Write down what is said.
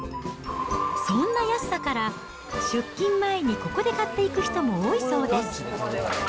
そんな安さから、出勤前にここで買っていく人も多いそうです。